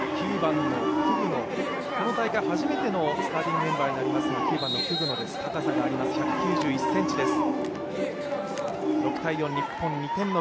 この大会初めてのスターティングメンバー９番のクグノです、高さがあります、１９１ｃｍです。